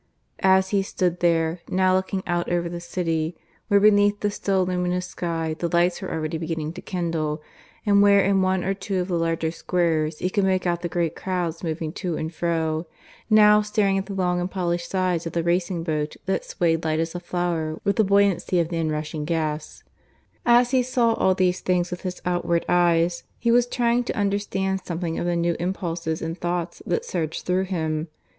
As he stood there, now looking out over the city, where beneath the still luminous sky the lights were already beginning to kindle, and where in one or two of the larger squares he could make out the great crowds moving to and fro now staring at the long and polished sides of the racing boat that swayed light as a flower with the buoyancy of the inrushing gas as he saw all these things with his outward eyes, he was trying to understand something of the new impulses and thoughts that surged through him.